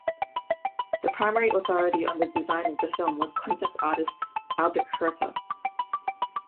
The primary authority on the design of the film was concept artist Albert Hurter.